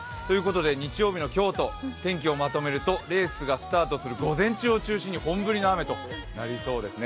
日曜日の京都、天気をまとめるとレースがスタートする午前中を中心に本降りの雨となりそうですね。